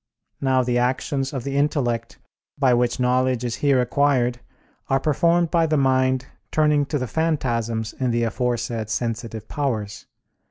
Now the actions of the intellect, by which knowledge is here acquired, are performed by the mind turning to the phantasms in the aforesaid sensitive powers.